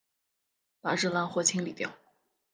把这烂货清理掉！